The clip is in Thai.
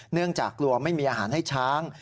เนื่องจากกลัวไม่มีอาหารให้ช้าง